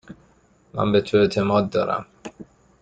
من به تو اعتماد دارم.